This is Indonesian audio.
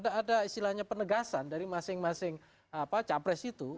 ada istilahnya penegasan dari masing masing capres itu